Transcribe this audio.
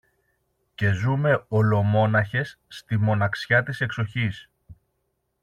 Και ζούμε, ολομόναχες, στη μοναξιά της εξοχής